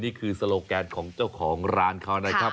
นี่คือโซโลแกนของเจ้าหรานเขาหน่อยครับ